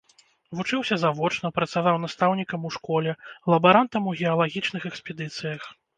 Вучыўся завочна, працаваў настаўнікам у школе, лабарантам у геалагічных экспедыцыях.